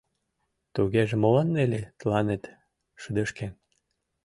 — Тугеже молан Нелли тыланет шыдешкен?